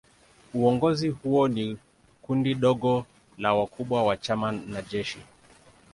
Uongozi huo ni kundi dogo la wakubwa wa chama na jeshi.